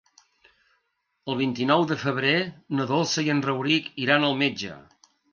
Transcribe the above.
El vint-i-nou de febrer na Dolça i en Rauric iran al metge.